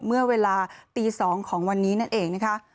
เมื่อเวลาตี๒ของวันนี้นั่นเองนะคะ